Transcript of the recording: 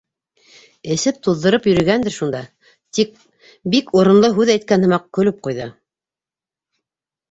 Эсеп-туҙҙырып йөрөгәндер шунда, — тип бик урынлы һүҙ әйткән һымаҡ көлөп ҡуйҙы.